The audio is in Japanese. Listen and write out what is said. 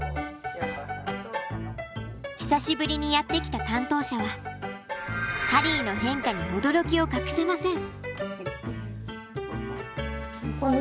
久しぶりにやって来た担当者はハリーの変化に驚きを隠せません。